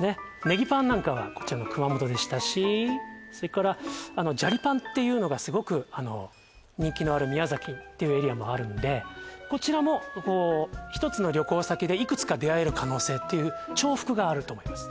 ネギパンなんかはこちらの熊本でしたしそれからジャリパンっていうのがすごく人気のある宮崎っていうエリアもあるんでこちらも１つの旅行先でいくつか出会える可能性っていう重複があると思います